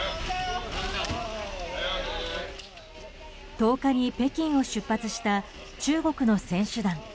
１０日に北京を出発した中国の選手団。